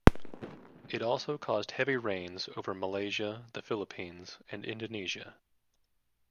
It also caused heavy rains over Malaysia, the Philippines, and Indonesia.